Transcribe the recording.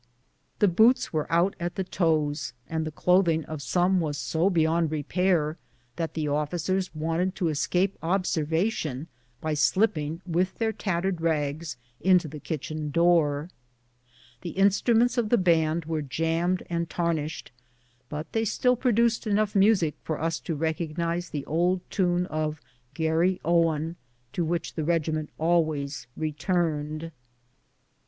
The boots were out at the toes, and the clothing of some were so beyond repairing that the officers wanted to escape observation by slipping, with their tattered THE SUMMER OF THE BLACK HILLS EXrEDITIOX. 193 rags, into the kitchen door. Tlie instruments of the band were jammed and tarnished, but thej still pro duced enough music for us to recognize the old tune of " Garrjowen," to which the regiment always returned.